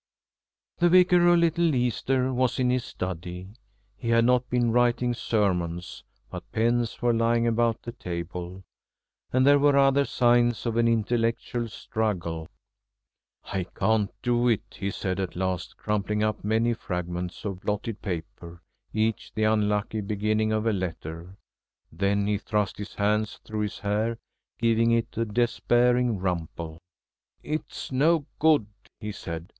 II. The Vicar of Little Easter was in his study. He had not been writing sermons, but pens were lying about the table, and there were other signs of an intellectual struggle. [Illustration: The old lady looked up keenly. p. 222.] "I can't do it," he said at last, crumpling up many fragments of blotted paper, each the unlucky beginning of a letter. Then he thrust his hands through his hair, giving it a despairing rumple. "It's no good," he said.